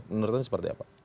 menurut anda seperti apa